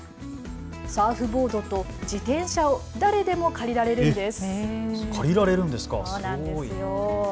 サーフボードと自転車を誰でも借りられるんです。